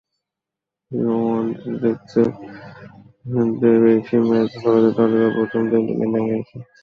যুব ওয়ানডেতে সবচেয়ে বেশি ম্যাচ খেলাদের তালিকায় প্রথম তিনটি নামই বাংলাদেশের।